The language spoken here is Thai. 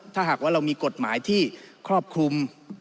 ถ้าหากว่าเรามีกฎหมายที่ครอบคลุม